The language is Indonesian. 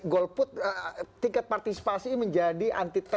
golput tingkat partisipasi menjadi antitesa